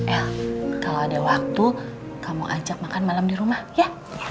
el kalo ada waktu kamu ajak makan malam dirumah ya